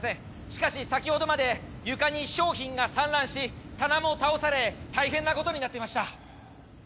しかし先ほどまで床に商品が散乱し棚も倒され大変なことになっていました。